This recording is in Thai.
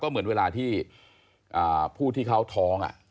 เหมือนเวลาที่ผู้ที่เขาท้อง